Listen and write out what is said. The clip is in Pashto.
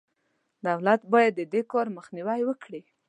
دولت باید د دې کار مخنیوی وکړي.